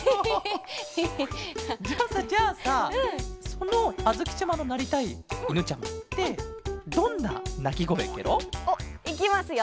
そのあづきちゃまのなりたいいぬちゃまってどんななきごえケロ？おっいきますよ。